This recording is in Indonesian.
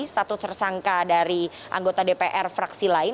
status tersangka dari anggota dpr fraksi lain